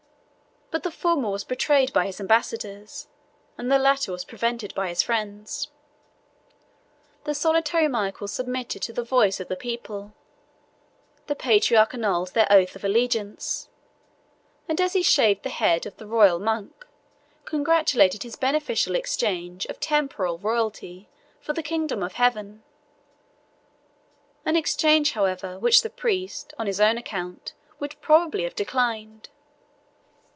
But the former was betrayed by his ambassadors, and the latter was prevented by his friends. The solitary Michael submitted to the voice of the people; the patriarch annulled their oath of allegiance; and as he shaved the head of the royal monk, congratulated his beneficial exchange of temporal royalty for the kingdom of heaven; an exchange, however, which the priest, on his own account, would probably have declined.